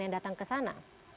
yang datang ke sana